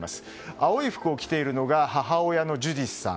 青い服を着ているのが母親のジュディスさん。